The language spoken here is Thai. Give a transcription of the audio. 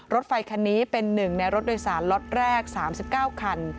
รถไฟคันนี้เป็นหนึ่งในรถโดยสารล็อตแรก๓๙คัน